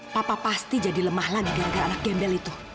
papa pasti jadi lemah lagi gara gara anak gembel itu